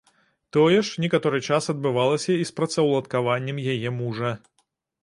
Тое ж некаторы час адбывалася і з працаўладкаваннем яе мужа.